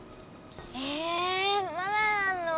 えまだやんの？